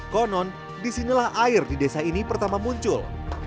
konon disinilah air di desa ini pertama muncul